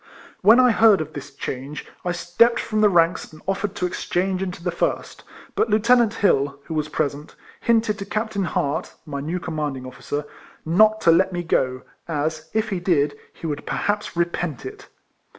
When I heard of this change, I stepped from the ranks and offered to exchange into the first, but Lieu tenant Hill, who was present, hinted to Cap tain Hart (my new commanding officer) not to let me go, as, if he did, he would perhaps repent it.